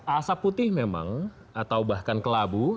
asap putih memang atau bahkan kelabu